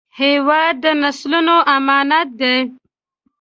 هېواد د نسلونو امانت دی